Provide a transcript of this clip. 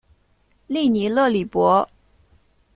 利尼勒里博。